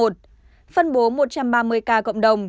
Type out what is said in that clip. phân bố một trăm ba mươi ca cộng đồng